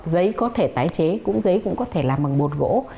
giấy có thể tái chế cũng giấy cũng có thể làm bằng bột gỗ